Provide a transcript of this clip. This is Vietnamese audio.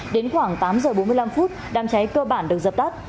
đến khoảng tám h bốn mươi năm đám cháy cơ bản được dập tắt